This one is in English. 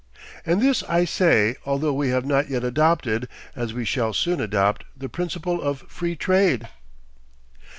And this I say although we have not yet adopted, as we shall soon adopt, the principle of Free Trade.